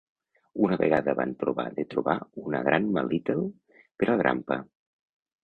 Una vegada van provar de trobar una Grandma Little per al Grandpa.